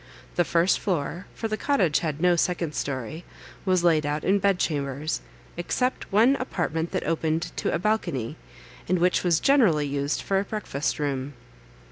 The first floor, for the cottage had no second story, was laid out in bed chambers, except one apartment that opened to a balcony, and which was generally used for a breakfast room.